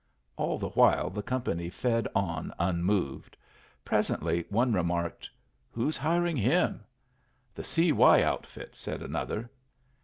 All the while the company fed on unmoved. Presently one remarked, "Who's hiring him?" "The C. Y. outfit," said another.